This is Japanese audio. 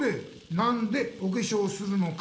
「なんでおけしょうするのか」